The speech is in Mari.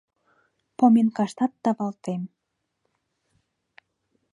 Поминкаштат тавалтем.